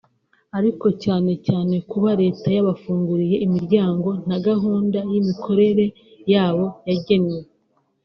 ariko cyane cyane kuba leta yabafunguriye imiryango nta gahunda y’imikorere yabo yagennye